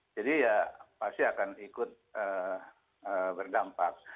ya pasti akan ikut berdampak